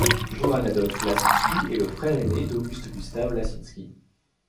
Johann Adolf Lasinsky est le frère aîné d'August Gustav Lasinsky.